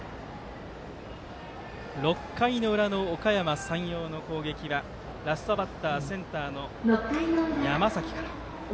６回の裏のおかやま山陽の攻撃はラストバッターセンターの山崎から。